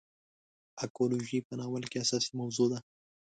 اکولوژي په ناول کې اساسي موضوع ده.